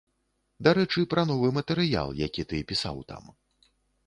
Дарэчы, пра новы матэрыял, які ты пісаў там.